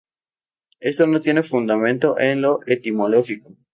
Esto no tiene fundamento en lo etimológico.